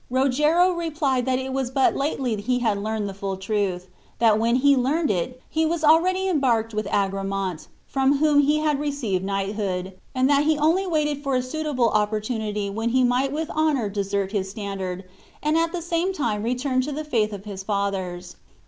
Rogero replied that it was but lately he had learned the full truth; that when he learned it he was already embarked with Agramant, from whom he had received knighthood, and that he only waited for a suitable opportunity when he might with honor desert his standard, and at the same time return to the faith of his fathers.